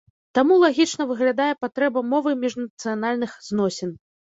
Таму лагічна выглядае патрэба мовы міжнацыянальных зносін.